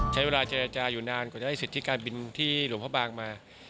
ใช้เวลาเจรจาอยู่นานกว่าจะได้สิทธิการบินที่หลวงพระบางมา